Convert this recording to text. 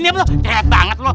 liat banget lu